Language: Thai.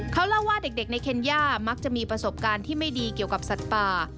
เขาเล่าว่าเด็กในเคนย่ามักจะมีประสบการณ์ที่ไม่ดีเกี่ยวกับสัตว์ป่า